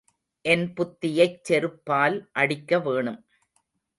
என் புத்தியைச் செருப்பால் அடிக்க வேணும்.